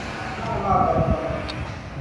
Nahu maa bari pam.